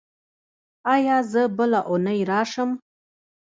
ایا زه بله اونۍ راشم؟